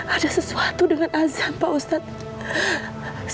ada sesuatu dengan azan pak ustadz